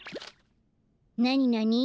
なになに？